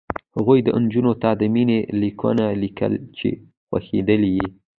هغو نجونو ته د مینې لیکونه لیکل چې خوښېدلې یې